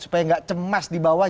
supaya nggak cemas di bawah